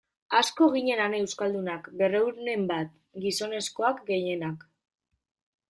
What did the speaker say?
Asko ginen han euskaldunak, berrehunen bat, gizonezkoak gehienak.